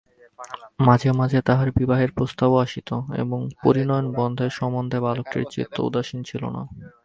মাঝে মাঝে তাহার বিবাহের প্রস্তাবও আসিত এবং পরিণয়বন্ধন সম্বন্ধে বালকটির চিত্তও উদাসীন ছিল না।